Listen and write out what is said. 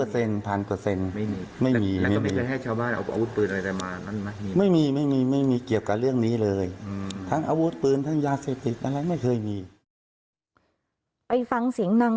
ซึ่งไม่เคยรู้ของมัน